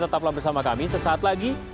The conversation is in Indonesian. tetaplah bersama kami sesaat lagi